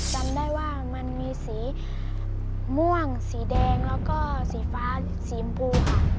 จำได้ว่ามันมีสีม่วงสีแดงแล้วก็สีฟ้าสีชมพูค่ะ